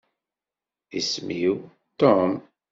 Isem-iw Tom.